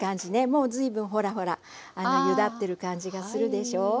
もう随分ほらほらゆだってる感じがするでしょ？